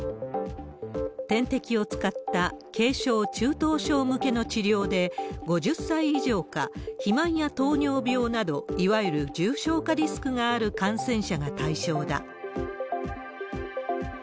点滴を使った軽症、中等症向けの治療で、５０歳以上か、肥満や糖尿病など、いわゆる重症化リスクがある感染者が対象だ。